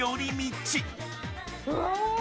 うわ！